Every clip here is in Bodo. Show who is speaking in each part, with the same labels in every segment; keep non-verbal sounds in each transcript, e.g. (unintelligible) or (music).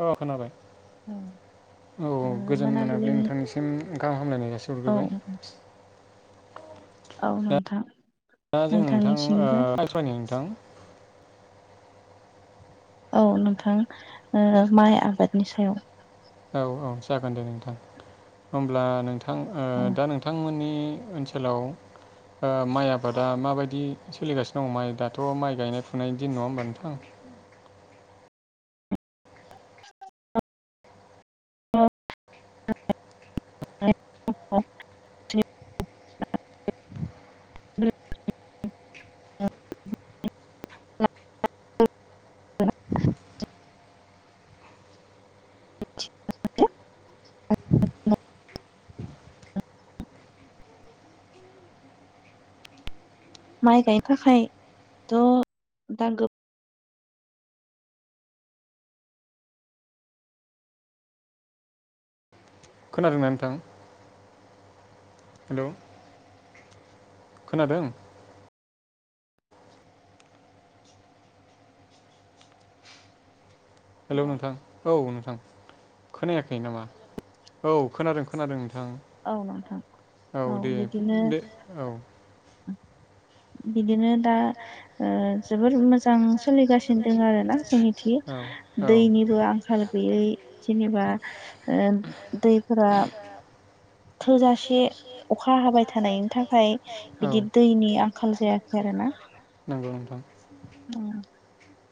Speaker 1: औ खोनाबाय
Speaker 2: औ।
Speaker 1: औ गोजोन मोनाबिलि नोंथांनिसिम गाहाम हामलायनाय
Speaker 2: औ
Speaker 1: जासिहरग्रोबाय।
Speaker 2: औ नोंथां।
Speaker 1: दा जों नोंथां
Speaker 2: नोंथांनिसिमबो
Speaker 1: ओ (unintelligible) नोंथां।
Speaker 2: औ नोंथां ओम माइ आबादनि सायाव
Speaker 1: औ औ जागोन दे नोंथां होमब्ला नोंथां
Speaker 2: औ
Speaker 1: दा नोंथांमोननि ओनसोलाव ओ माइ आबादा माबायदि सोलिगासिनो दङ माइ दाथ' माइ गायनाय फुनाय दिन नङा होमबा नोंथां? (inaudible)
Speaker 2: (unintelligible) (unintelligible) (inaudible)
Speaker 1: (inaudible)
Speaker 2: (inaudible) (inaudible) माइ गायनो थाखायथ' दा गो
Speaker 1: खोनादोंना नोंथां? हेल' खोनादों। हेलौ नोंथां औ नोंथां खोनायाखै नामा? औ खोनादों खोनादों नोंथां। नोंथां औ दे दे औ।
Speaker 2: बिदिनो दा जोबोर ओ मोजां मोजां सोलिगासिनो दं आरो ना जोंनिथि
Speaker 1: औ
Speaker 2: दैनिबो आंखाल गैयै जेनेबा दैफोरा
Speaker 1: (inaudible)
Speaker 2: थोजासे अखा हाबाय थानायनि थाखाय
Speaker 1: औ
Speaker 2: बिदि दैनि आंखाल जायाखै आरोना।
Speaker 1: नंगौ नोंथां।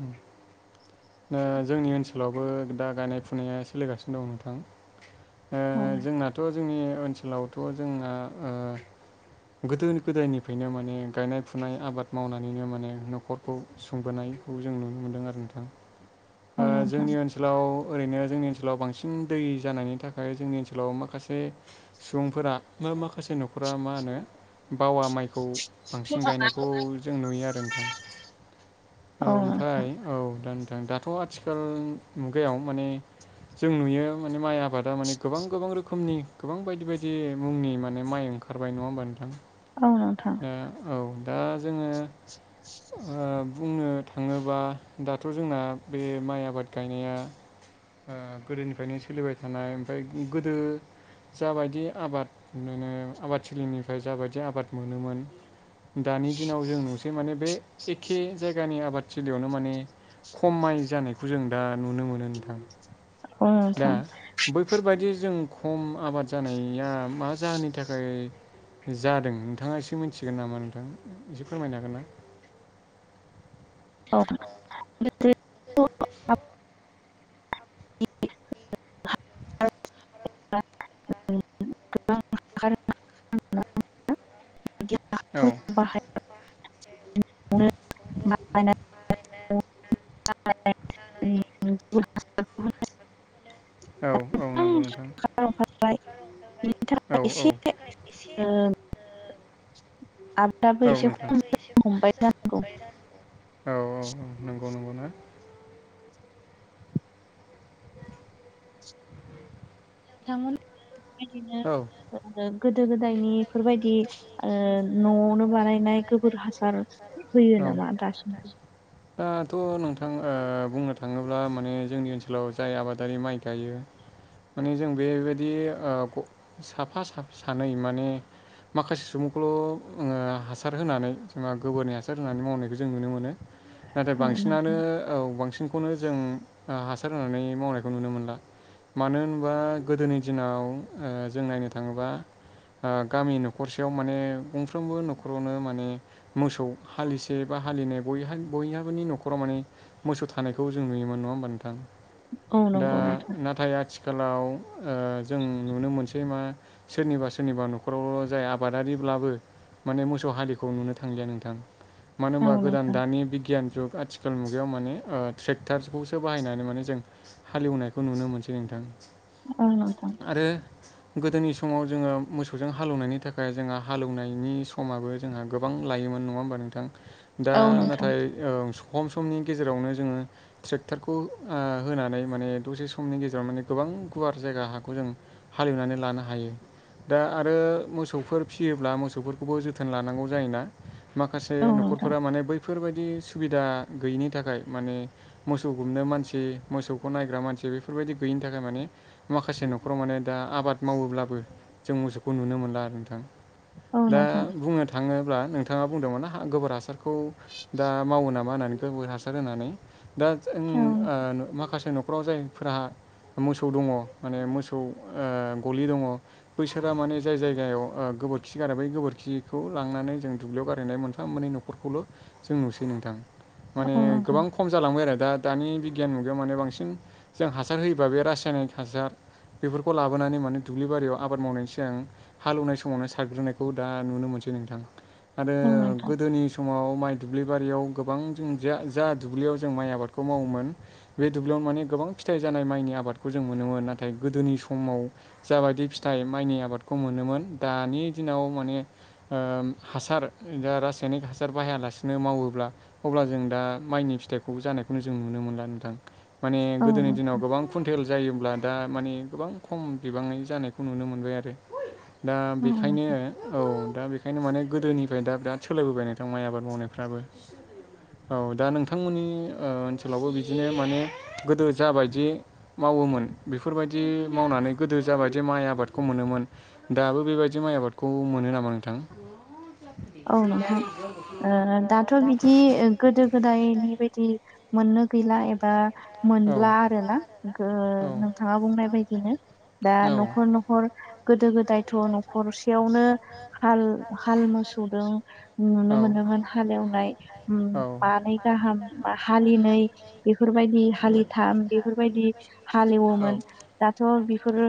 Speaker 1: उम। ओं जोंनि ओनसोलावबो दा गायनाय फुनाया सोलिगासिनो दं नोंथां।
Speaker 2: औ
Speaker 1: जोंनाथ' जोंनि ओनसोलावथ' जोंना गोदो गोदायनिफ्रायनो माने गायनाय फुनाय आबाद मावनानैनो माने न'खरखौ सुंबोनाय जों नुनो मोनदों आरो नोंथां
Speaker 2: औ नोंथां
Speaker 1: जोंनि ओनसोलाव। ओरैनो जोंनि ओनसोलाव बांसिन दै जानायनि थाखाय जोंनि ओनसोलाव माखासे सुबुंफोरा। माखासे न'खरा मा होनो बावा माइखौ बांसिन गायनायखौ जों नुयो आरो नोंथां। औ ओमफ्राय औ दा नोंथां दाथ' आथिखाल मुगायाव माने। जों नुयो माने माइ आबादा माने गोबां गोबां रोखोमनि गोबां बायदि बायदि मुंनि माने माइ ओंखारबाय नङा होमबा नोंथां
Speaker 2: नोंथां औ नोंथां
Speaker 1: दा औ। दा जोङो बुंनो थाङोबा दाथ' जोंना बे माइ आबाद गायनाया गोदोनिफ्रायनो सोलिबाय थानाय ओमफ्राय गोदो जाबायदि आबाद मोनो आबाद थिलिनिफ्राय जाबायदि आबाद मोनोमोन। दानि दिनाव जों नुसै माने बे एखे जायगानि आबाद थिलियावनो माने खम माय जानायखौ जों दा नुनो मोनो नोंथां
Speaker 2: औ
Speaker 1: दा बैफोर बायदि जों खम आबाद जानाया मा जाहोननि थाखाय जादों नोंथाङा एसे मिथिगोन नामा नोंथां एसे फोरमायनो हागोन ना।
Speaker 2: (unintelligible)
Speaker 1: (inaudible)
Speaker 2: (unintelligible)
Speaker 1: औ
Speaker 2: (unintelligible) (unintelligible) (unintelligible)
Speaker 1: औ औ नंगौ नोंथां।
Speaker 2: ओंखारबाय बिनि
Speaker 1: औ
Speaker 2: थाखाय
Speaker 1: औ
Speaker 2: एसे
Speaker 1: एसे।
Speaker 2: एसे खम जानो हमबाय जानांगौ। (inaudible)
Speaker 1: नोंगौना?
Speaker 2: बिथांमोन
Speaker 1: औ
Speaker 2: बेबायदिनो गोदो गोदायनि बेफोर बायदि न'आवनो बानायनाय गोबोर हासार होयो नामा दासिम
Speaker 1: थ' नोंथां बुंनो थाङोब्ला माने जोंनि ओनसोलाव जाय आबादारि माइ गायो। माने जों बेबायदि साफा सानै माने माखासे सुबुंखौल' हासार होनानै जोंहा गोबोरनि हासार होनानै मावनायखौ जों नुनो मोनो। नाथाय
Speaker 2: औ
Speaker 1: बांसिनानो
Speaker 2: नोंथां
Speaker 1: औ बांसिनखौनो जों आं हासार होनानै मावनायखौ नुनो मोनला। मानो होनोबा गोदोनि दिनाव जों नायनो थाङोबा। आ‌ गामि न'खरसेयाव माने गंफ्रोमबो न'खरावनो माने मोसौ हालिसे बा हालिनै बय बयहाबोनि न'खराव माने मोसौ थानायखौ जों नुयो। मोन नंआ होनबा नोंथां
Speaker 2: औ नंगौ
Speaker 1: दा‌‌
Speaker 2: नोंथां
Speaker 1: नाथाय आथि आथिखालाव ओ जों नुनो मोनसै मा सोरनिबा सोरनिबा न'खरावल' जाय आबादारि ब्लाबो माने मोसौ हालिखौ नुनो थांलिया नोंथां मानो
Speaker 2: औ
Speaker 1: होनबा गोदान
Speaker 2: नोंथां
Speaker 1: दानि बिगियान जुग आथिखाल मुगा याव माने ओ ट्रेक्टारखौसो बाहायनानै माने जों हालेवनायखौ नुनो मोनसै नोंथां।
Speaker 2: औथां।
Speaker 1: आरो गोदोनि समाव जोङो मोसौजों हालेवनायनि थाखाय जोंहा हालेवनायनि समाबो जोंहा गोबां लायोमोन नङा होमबा नोंथां दा
Speaker 2: औ नोंथां
Speaker 1: नाथाय औ खम समनि गेजेरावनो जोङो ट्रेक्टरखौ ओ होनानै माने दसे समनि गेजेराव माने गोबां गोबां गुवार जायगा हाखौ जों हालेवनानै लानो हायो। दा आरो मोसौफोर फिसियोब्ला मोसौफोरखौबो जोथोन लानांगौ। जायोना माखासे
Speaker 2: औ नोंथां
Speaker 1: न'खरफोरा माने बैफोरबायदि सुबिदा गैयिनि थाखाय माने मोसौ गुमनो मानसि मोसौखौ नायग्रा मानसि बेफोरबायदि गैयिनि थाखाय माने माखासे न'खराव माने दा आबाद मावोब्लाबो जों मोसौखौ नुनो मोनला आरो नोंथां।
Speaker 2: औ
Speaker 1: दा
Speaker 2: नोंथां
Speaker 1: बुंनो थाङोब्ला नोंथाङा बुंदोंमोन गोबोर हासारखौ दा मावो नामा मा होननानै हासार होनानै दा ओ
Speaker 2: औ
Speaker 1: जों माखासे न'खराव जायफोरा मोसौ दङ माने मोसौ ओ गलि दङ बैसोरा माने जाय जायगायाव ओ गोबोरखि गारो बै गोबोरखि खौ लांनानै जों दुब्लियाव गारहैनाय मोनफा मोननै न'खरखौल' जों नुसै नोंथां। माने
Speaker 2: औ नोंथां
Speaker 1: गोबां खम जालांबाय आरो दा दानि बि गियान मुगायाव माने बांसिन जों हासार होयोबा बे रासायनिक हासार बेफोरखौ लाबोनानै माने दुब्लि बारियाव आबाद मावनायनि सिगां हालवनाय समावनो सारग्रोनायखौ दा नुनो मोनसै नोंथां आरो
Speaker 2: औ नोंथां
Speaker 1: गोदोनि समाव माइ दुब्लि बारियाव गोबां जों जा दुब्लियाव जों माइ आबादखौ मावोमोन बे दुब्लियावनो माने गोबां फिथाइ जानाय माइनि आबादखौ जों मोनोमोन नाथाय गोदोनि समाव जाबायदि फिथाइ माइनि आबादखौ मोनो मोन दानि दिनाव माने ओ हासार दा रासायनिक हासार बाहायालासिनो मावोब्ला अब्ला जों दा माइनि फि फिथाइखौ जानायखौनो जों नुनो मोनला नोंथां माने
Speaker 2: औ नोंथां
Speaker 1: गोदोनि दिनाव गोबां कुन्टेल जायोब्ला दा माने गोबां खम बिबाङै जानायखौ नुनो मोनबाय आरो दा
Speaker 2: औ नोंथां
Speaker 1: बेखायनो औ दा बे बेंखायनो माने गोदोनिफ्राय दा बिराद सोलायबोबाय नोंथां माइ आबाद मावनायफ्राबो औ दा नोंथांमोननि ओ ओनसोलावबो बिदिनो माने गोदो जाबायदि माव मावोमोन बेफोरबायदि मावनानै गोदो जाबायदि माइ आबादखौ मोनोमोन दाबो बेबायदि माइ आबादखौ खौ मोनो नामा नोंथां।
Speaker 2: औ
Speaker 1: गैला
Speaker 2: नोंथां
Speaker 1: एबा
Speaker 2: ओ दाथ' बिदि गोदो गोदायनि बायदि मोननो गैला एबा मोनला आरो ना ओ नोंथाङा बुंनाय बायदिनो दा न'खर न'खर गोदो गोदायथ' न'खरसेयावनो हाल हाल मो ओ नुनो मोनोमोन हालेवनाय
Speaker 1: हालेवनाय हालौवोमोन
Speaker 2: मानै गाहाम हालिनै बिफोर बायदि हालिथाम बेफोरबायदि हालेवोमोन दाथ' बेफोर ओ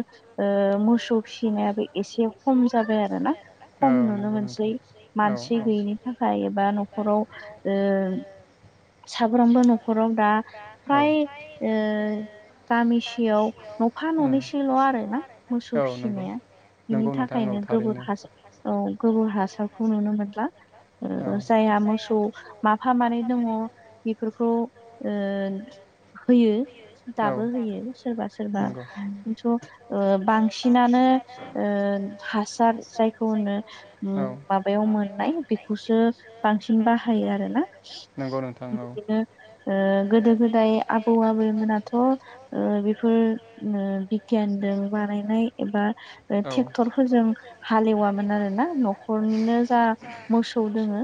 Speaker 2: मसौ मोसौ फिसिनायाबो एसे खम जाबाय आरो ना खम
Speaker 1: औ
Speaker 2: नुनो मोनसै
Speaker 1: औ
Speaker 2: मानसि गैयिनि थाखाय एबा न'खराव ओ साफ्रोमबो न'खराव दा
Speaker 1: औ
Speaker 2: फ्राय ओ गामि याव न'फा न'नैसल' आरो ना मोसौ
Speaker 1: औ नंगौ
Speaker 2: फिसिनाया बिनि
Speaker 1: नंगौ नोंथां औ
Speaker 2: थाखायनो गोबोर
Speaker 1: थारैनो
Speaker 2: हासार औ गोबोर हासारखौ नुनो मोनला
Speaker 1: औ
Speaker 2: जायहा मोसौ माफा मानै दङ बेफोरखौ ओ होयो।
Speaker 1: औ
Speaker 2: दाबो होयो सोरबा सोरबा
Speaker 1: नंगौ
Speaker 2: खिन्थु ओ बांसिनानो ओ हासार जायखौ होनो
Speaker 1: औ
Speaker 2: माबायाव मोननाय बेखौसो बांसिन बाहायो आरोना
Speaker 1: नंगौ नोंथां औ
Speaker 2: बिदिनो ओ गोदो गोदाय आबौ आबैमोनाथ' बेफोर ओ बिगियानजों बानायनाय एबा
Speaker 1: औ
Speaker 2: ट्रेक्टरफोरजों हालेवामोन आरो ना न'खर खरनिनो जा मोसौ दोङो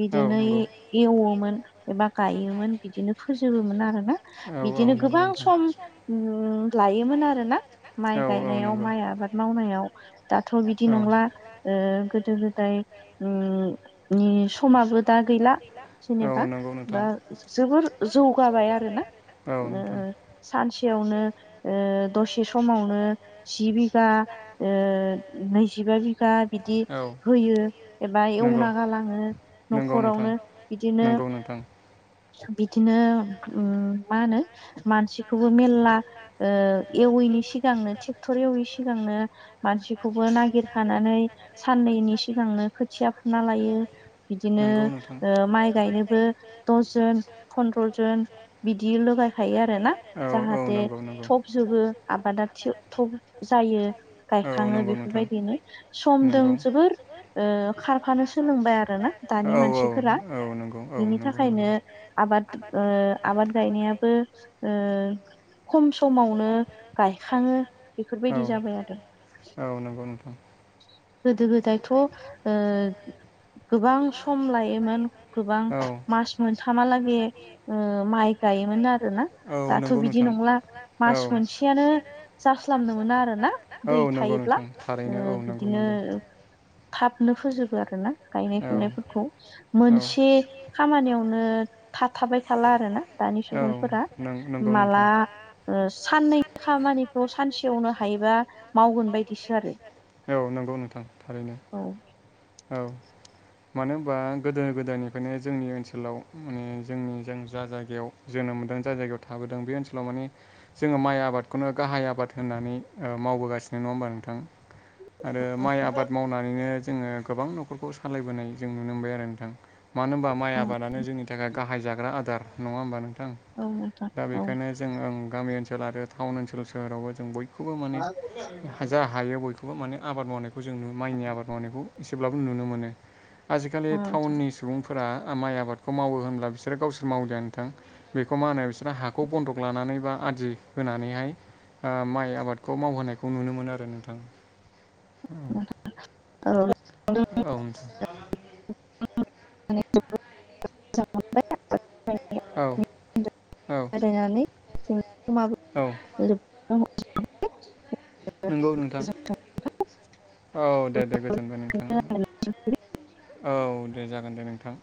Speaker 2: बिजोंनो एवोमोन एबा गायोमोन बिदिनो फोजोबोमोन आरो ना। बिदिनो
Speaker 1: आरोना
Speaker 2: गोबां सम लायोमोन आरोना माइ गायनायाव माइ आबाद माव नायाव दाथ' बिदि नंला ओ गोदो गोदाय उम। नि समाबो दा गैला
Speaker 1: औ
Speaker 2: जेनेबा
Speaker 1: नंगौ नोंथां
Speaker 2: दा जोबोर जौगाबाय आरोना।
Speaker 1: औ नोंथां
Speaker 2: सानसेयावनो दसे ओ समावनो जि बिघा बा नैजिबा बिघा बिदि
Speaker 1: औ
Speaker 2: होयो एबा
Speaker 1: नंगौ
Speaker 2: एवना गालाङो।
Speaker 1: नंगौ नोंथां
Speaker 2: न'खरावनो बिदिनो
Speaker 1: नंगौ नोंथां
Speaker 2: बिदिनो मा होनो मानसिखौबो मेलला ओ एवैनि सिगांनो ट्रेक्टर एवैनि सिगांनो मानसि खौबो नागिरखानानै सान्नैनि सिगांनो खोथिया फुना लायो बिदिनो
Speaker 1: नंगौ नोंथां
Speaker 2: माइ गायनोबो द जन फन्द्र जन बिदि लगायखायो आरो आरोना जाहाथे थब जबो आबादा थब जायो गायखां ङो बेफोरबायदिनो समदों जोबोर ओ खारफानो सोलोंबाय आरो ना दानि मानसिफोरा
Speaker 1: औ औ औ नंगौ औ
Speaker 2: बिनि
Speaker 1: नंगौ
Speaker 2: थाखायनो
Speaker 1: नंगौ
Speaker 2: आबाद ओ आबाद गायनायाबोओ खम समावनो गायखाङो
Speaker 1: औ
Speaker 2: बेफोरबायदि जाबाय आरो
Speaker 1: औ नंगौ नोंथां
Speaker 2: गोदो गोदायथ' ओ गोबां सम लायोमोन गोबां मास मोनथामालागै ओ माइ गायोमोन आरोना दाथ'
Speaker 1: गोबां
Speaker 2: बिदि
Speaker 1: नाथाय
Speaker 2: नंला मास मोनसेयानो जास्लाबनो मोन आरोना ना
Speaker 1: औ
Speaker 2: दै
Speaker 1: नंगौ
Speaker 2: थायोब्लाओ
Speaker 1: नोंथां थारैनो औ नंगौ नंगौ (inaudible)
Speaker 2: थाबनो फोजोबो आरो ना गायनाय
Speaker 1: बेफोर
Speaker 2: फुनायफोरखौ
Speaker 1: औ
Speaker 2: मोनसे खामानियावनो थाबथाबाय थाला आरोना दानि सुबुंफोरा
Speaker 1: औ नंगौ
Speaker 2: माला
Speaker 1: नोंथां
Speaker 2: साननै खामानि खामानिखौ सानसेयावनो हायोबा मावगोन बायदिसो आरो
Speaker 1: औ नंगौ नोंथां थारैनो
Speaker 2: औ
Speaker 1: औ मानो होनबा गोदो गोदायनिफ्रायनो जोंनि ओनसोलाव माने जोंनि जा जा जायगायाव जों मोन जाय जायगायाव थाबोदों बे ओनसोलाव माने जोङो माइ आबादखौनो गाहाय आबाद होननानै माव मावगासिनो नङा होमबा नोंथां आरो माइ आबाद मावनानैनो जोङो गोबां न'खरखौ सालायबोनाय जों नुनो मोनबाय आरो नोंथां। मानो होनबा माइ आबादानो जोंनि थाखाय गाहाय जाग्रा आदार नङा होमब नों नोंथां
Speaker 2: औ नोंथां
Speaker 1: दा
Speaker 2: औ
Speaker 1: बेखायनो जों गामि ओनसोल आरो टाउन ओनसोल सोहोरावबो जों बय बेखौबो माने जा हायो बयखौबो माने आबाद मावनायखौ जों नु माइनि आबाद मावनायखौ एसेब्लाबो नुनो मोनो आजिखालि
Speaker 2: नंगौ नोंथां
Speaker 1: टाउननि सुबुं फोरा माइ आबादखौ मावो होनब्ला बिसोरो गावसोर मावजानोोंथां बेखौ मा होनो बिसोर हाखौ बन्द'ख लानानै बा आदि होनानैहाय माइ आबादखौ मावहोनायखौ नुनो मोन आरो नोंथां। (inaudible)
Speaker 2: औ
Speaker 1: औमस।
Speaker 2: (unintelligible)
Speaker 1: औ। औ औ
Speaker 2: (unintelligible)
Speaker 1: नंगौ नोंथां
Speaker 2: (unintelligible)
Speaker 1: औ दे दे गोजोनबाय नोंथां। औ दे जागोन दे नोंथां।